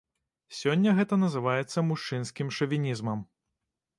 Сёння гэта называецца мужчынскім шавінізмам.